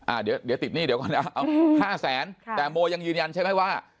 อ่าเดี๋ยวเดี๋ยวติดหนี้เดี๋ยวก่อนเอาห้าแสนค่ะแต่โมยังยืนยันใช่ไหมว่า